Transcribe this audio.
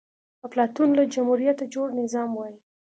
افلاطون له جمهوريته جوړ نظام وای